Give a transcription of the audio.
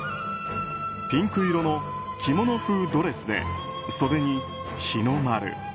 ピンク色の着物風ドレスで袖に日の丸。